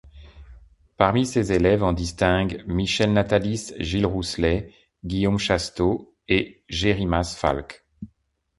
Parmi ses élèves on distingue Michel Natalis, Gilles Rousselet, Guillaume Chasteau et Jerimas Falck.